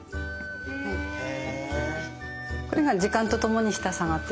へえ。